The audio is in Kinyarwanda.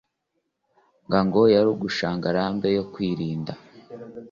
Ngango ya Rugushangarambe yo kurinda